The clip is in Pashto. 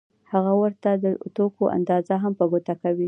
هغه ورته د توکو اندازه هم په ګوته کوي